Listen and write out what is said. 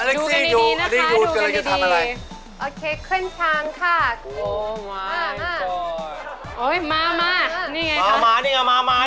เอ้ออเล็กซี่อยู่ได้ริยุโหดกันเลยจะทำอะไร